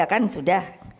ada kan sudah